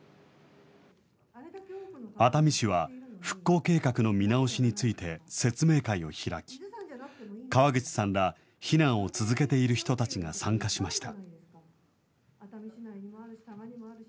熱海市は、復興計画の見直しについて説明会を開き、川口さんら避難を続けている人たちが参加しました。